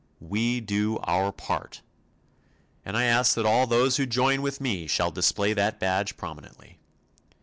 "We do our part," and I ask that all those who join with me shall display that badge prominently.